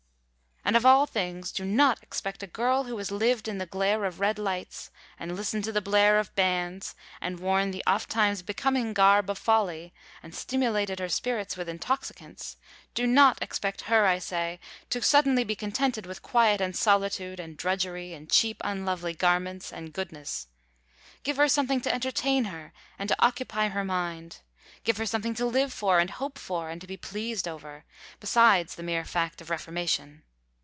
And of all things do not expect a girl who has lived in the glare of red lights, and listened to the blare of bands, and worn the ofttimes becoming garb of folly, and stimulated her spirits with intoxicants do not expect her, I say, to suddenly be contented with quiet and solitude, and drudgery, and cheap, unlovely garments, and goodness. Give her something to entertain her and to occupy her mind, give her something to live for and hope for and to be pleased over, besides the mere fact of reformation.